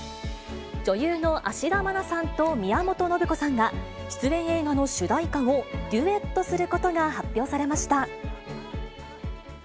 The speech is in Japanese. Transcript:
女優の芦田愛菜さんと宮本信子さんが、出演映画の主題歌を、デュエットすることが発表されました。